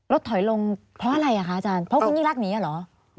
ถอยลงเพราะอะไรอ่ะคะอาจารย์เพราะคุณยิ่งรักหนีเหรอ